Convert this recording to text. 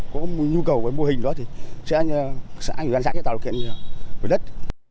nếu có nhu cầu với mô hình đó thì sản xuất giống trà hoa vàng sẽ tạo được kiện cho đất